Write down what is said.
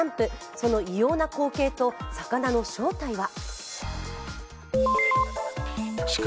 その異様な光景と、魚の正体は？